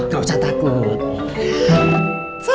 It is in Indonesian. gak usah takut